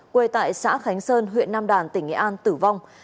quê tại xã khánh sơn huyện nam đàn tỉnh nghệ an tử vong